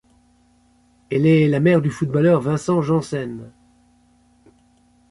Elle est la mère du footballeur Vincent Janssen.